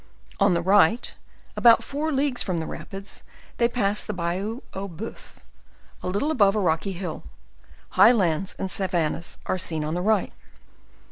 On the right, about four leagues from the rapids, they passed the "Bayou Aux Boeufs," a little above a rocky hill: high lands and savannas are seen on the right.